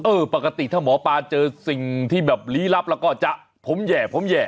เออปกติถ้าหมอปะเจอสิ่งที่ลี้ลับแล้วก็จะผมแย่